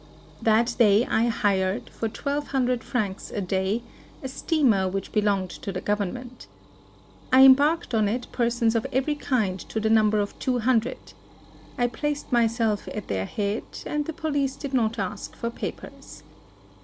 That day I hired, for twelve hundred francs a day, a steamer which belonged to the THE SUEZ CANAL. 61 Government. I embarked on it persons of every kind to the number of two hundred. I placed myself at their head, and the police did not ask for papers.